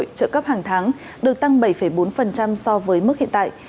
trợ cấp hàng tháng được tăng bảy bốn so với mức hiện tại